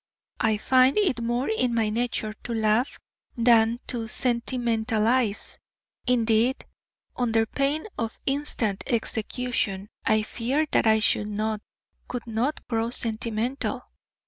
I find it more in my nature to laugh than to sentimentalize; indeed, under pain of instant execution, I fear that I should not, could not grow sentimental.